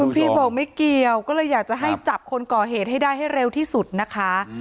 พี่บอกไม่เกี่ยวก็เลยอยากจะให้จับคนก่อเหตุให้ได้ให้เร็วที่สุดนะคะ